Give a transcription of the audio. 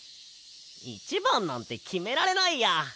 いちばんなんてきめられないや！